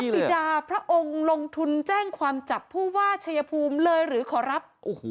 ปิดาพระองค์ลงทุนแจ้งความจับผู้ว่าชายภูมิเลยหรือขอรับ